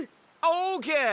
オーケー！